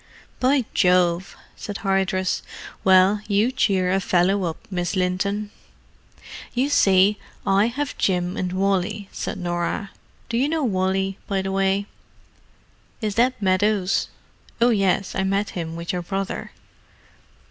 "By Jove!" said Hardress. "Well, you cheer a fellow up, Miss Linton." "You see, I have Jim and Wally," said Norah. "Do you know Wally, by the way?" "Is that Meadows?—oh yes, I met him with your brother."